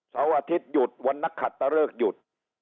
เสาร์อาทิตย์หยุดวันนักขัดตะเลิกหยุด